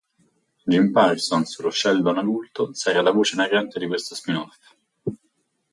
Jim Parsons, lo Sheldon adulto, sarà la voce narrante di questo spin-off.